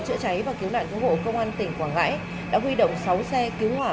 chữa cháy và cứu nạn vô hộ công an tp cm đã huy động sáu xe cứu hỏa